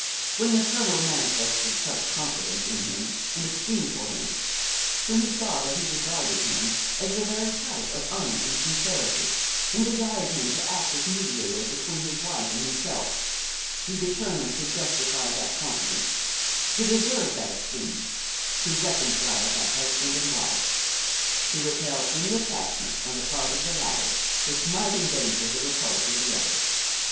When the colonel manifested such confidence in him and esteem for him, when he saw that he regarded him as the very type of honor and sincerity and desired him to act as mediator between his wife and himself, he determined to justify that confidence, to deserve that esteem, to reconcile that husband and wife, to repel any attachment on the part of the latter which might endanger the repose of the other.